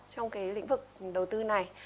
trong cái lĩnh vực đầu tư này